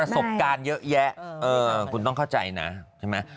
สบการณ์เยอะแยะคุณต้องเข้าใจนะใช่ไหม